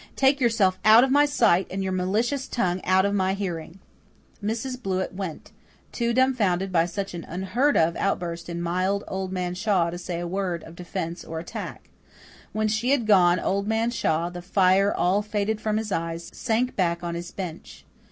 Take yourself out of my sight, and your malicious tongue out of my hearing!" Mrs. Blewett went, too dumfounded by such an unheard of outburst in mild Old Man Shaw to say a word of defence or attack. When she had gone Old Man Shaw, the fire all faded from his eyes, sank back on his bench.